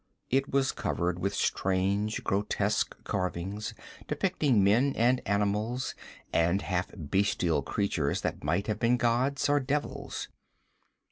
It was covered with strange, grotesque carvings, depicting men and animals, and half bestial creatures that might have been gods or devils.